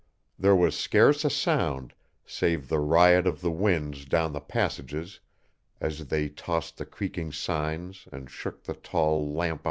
There was scarce a sound save the riot of the winds down the passages as they tossed the creaking signs and shook the tall lamp irons.